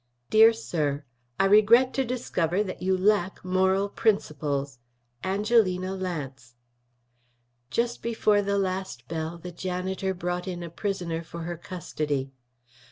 DEAR SIR: I regret to discover that you lack moral principles. ANGELINA LANCE. Just before the last bell the janitor brought in a prisoner for her custody.